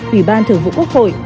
ủy ban thường vụ quốc hội